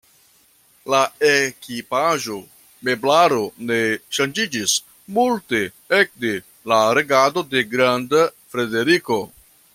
La ekipaĵo, meblaro ne ŝanĝiĝis multe ekde la regado de Granda Frederiko.